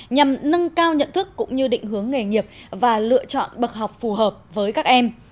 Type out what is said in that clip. nhằm nâng cao nhận thức cũng như định hướng nghề nghiệp và lựa chọn bậc học phù hợp với các em